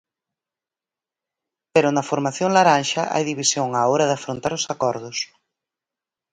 Pero na formación laranxa hai división á hora de afrontar os acordos.